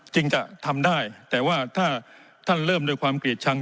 จึงจะทำได้แต่ว่าถ้าท่านเริ่มด้วยความเกลียดชัง